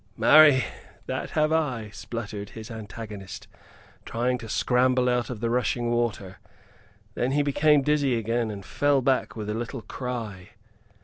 "Marry, that have I," spluttered his antagonist, trying to scramble out of the rushing water. Then he became dizzy again, and fell back with a little cry.